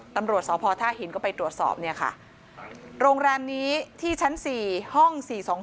ตำรวจสพท่าหินก็ไปตรวจสอบเนี่ยค่ะโรงแรมนี้ที่ชั้น๔ห้อง๔๒๒